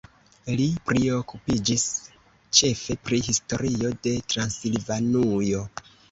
Li priokupiĝis ĉefe pri historio de Transilvanujo.